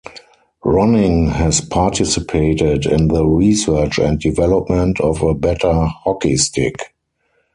Ronning has participated in the research and development of a better hockey stick.